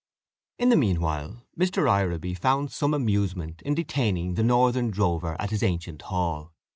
In the mean while, Mr. Ireby found some amusement in detaining the northern drover at his ancient hall.